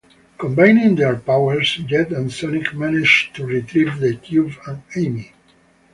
Combining their powers, Jet and Sonic manage to retrieve the cube and Amy.